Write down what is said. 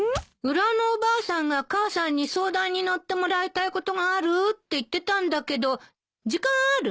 裏のおばあさんが母さんに相談に乗ってもらいたいことがあるって言ってたんだけど時間ある？